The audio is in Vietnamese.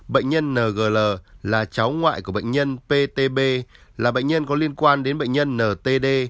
bệnh nhân ngl là cháu ngoại của bệnh nhân ptb là bệnh nhân có liên quan đến bệnh nhân ntd